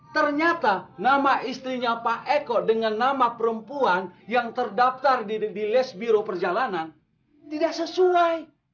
ternyata nama istrinya pak eko dengan nama perempuan yang terdaftar di les biro perjalanan tidak sesuai